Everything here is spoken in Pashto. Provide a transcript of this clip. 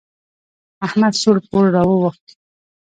احمد سوړ پوړ را واوښت.